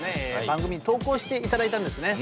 番組に投稿していただいたんですね